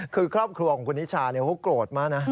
คือครอบครัวของคุณนิชาเขาโกรธมากนะ